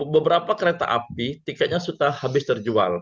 beberapa kereta api tiketnya sudah habis terjual